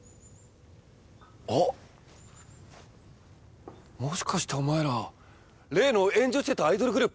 あっもしかしてお前ら例の炎上してたアイドルグループ？